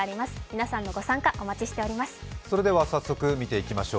皆さんのご参加、お待ちしております。